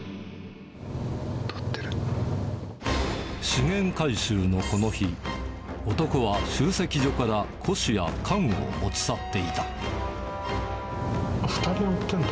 資源回収のこの日、男は集積所から古紙や缶を持ち去っていた。